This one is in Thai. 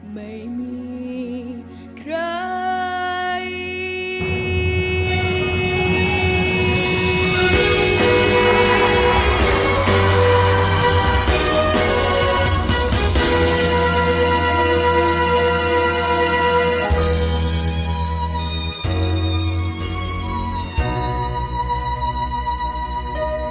ไม่มีใคร